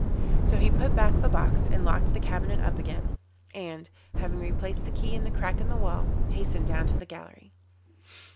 So he put back the box and locked the cabinet up again, and, having replaced the key in the crack in the wall, hastened down to the gallery.